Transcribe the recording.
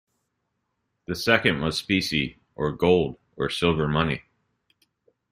The second was specie, or gold or silver money.